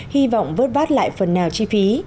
hy vọng vớt vát lại phần nào chi phí